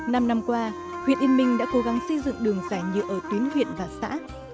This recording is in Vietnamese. năm năm qua huyện yên minh đã cố gắng xây dựng đường giải nhựa ở tuyến huyện và xã